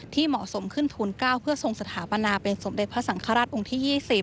เหมาะสมขึ้นทูล๙เพื่อทรงสถาปนาเป็นสมเด็จพระสังฆราชองค์ที่๒๐